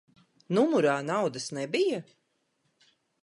Numurā naudas nebija?